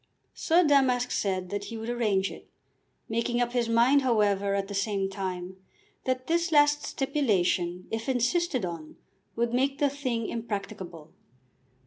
Sir Damask said that he would arrange it, making up his mind, however, at the same time, that this last stipulation, if insisted on, would make the thing impracticable.